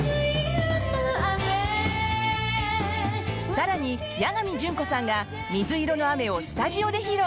更に、八神純子さんが「みずいろの雨」をスタジオで披露！